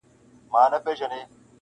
• څارنوال ویله پلاره در جارېږم..